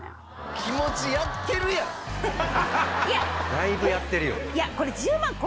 だいぶやってるよ。